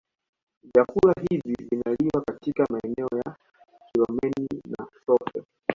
Vyakula hivi vinaliwa katika maeneo ya Kilomeni na Sofe